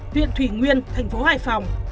viện thủy nguyên thành phố hải phòng